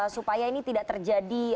supaya ini tidak terjadi